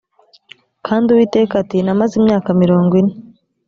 kandi uwiteka ati namaze imyaka mirongo ine